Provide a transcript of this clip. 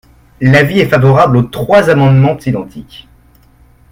L’avis est favorable aux trois amendements identiques.